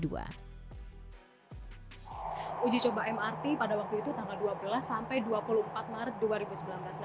uji coba mrt pada waktu itu tanggal dua belas sampai dua puluh empat maret dua ribu sembilan belas